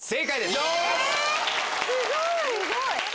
すごい！